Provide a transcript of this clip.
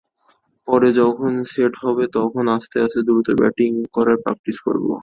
পরে যখন সেট হব, তখন আস্তে আস্তে দ্রুত ব্যাটিং করার প্র্যাকটিস করব।